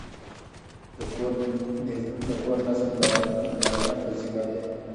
د کور نظم د نارینه په ذمه دی.